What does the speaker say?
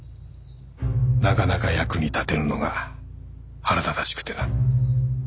なかなか役に立てぬのが腹立たしくてな。